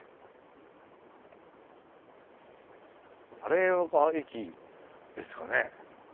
あれが駅ですかね。